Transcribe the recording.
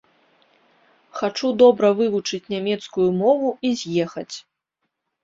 Хачу добра вывучыць нямецкую мову і з'ехаць.